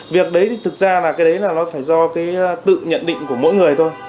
việc đấy thực ra là cái đấy là nó phải do tự nhận định của mỗi người thôi